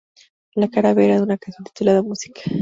La cara B era una canción titulada "Music!